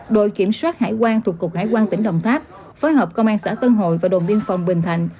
đội kiểm soát hải quan thuộc cục hải quan tỉnh đồng tháp phối hợp công an xã tân hội và đồn biên phòng bình thạnh